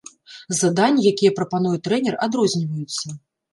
Заданні, якія прапануе трэнер, адрозніваюцца.